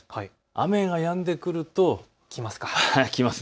雨がやんでくると来ます。